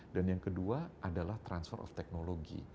dan yang kedua adalah transfer of technology